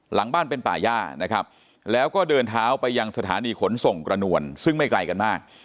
หลังบ้านเป็นป่าย่านะครับแล้วก็เดินเท้าไปยังสถานีขนส่งกระนวลซึ่งไม่ไกลกันมาก